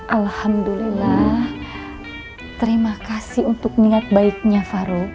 alhamdulillah terima kasih untuk niat baiknya faro